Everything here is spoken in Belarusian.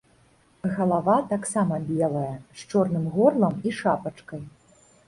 Галава таксама белая, з чорным горлам і шапачкай.